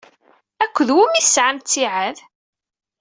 Akked wumi i tesɛam ttiɛad?